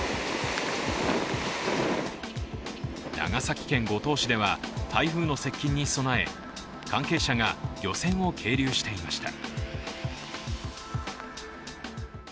長崎県五島市では台風の接近に備え関係者が漁船を係留していました。